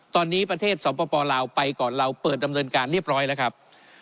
ตอนนี้ประเทศสปลาวไปก่อนเราเปิดดำเนินการเรียบร้อยแล้วครับ